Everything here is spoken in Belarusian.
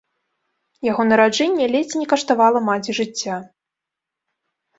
Яго нараджэнне ледзь не каштавала маці жыцця.